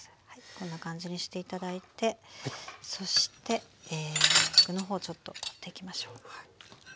こんな感じにして頂いてそして具の方ちょっと取っていきましょう。